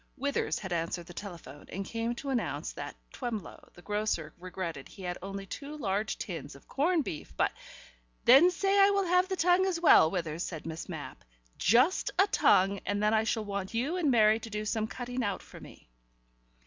Withers had answered the telephone, and came to announce that Twemlow the grocer regretted he had only two large tins of corned beef, but "Then say I will have the tongue as well, Withers," said Miss Mapp. "Just a tongue and then I shall want you and Mary to do some cutting out for me."